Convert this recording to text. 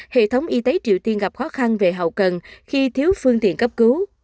hệ thống y tế triều tiên gặp khó khăn về hậu cần khi thiếu phương tiện cấp cứu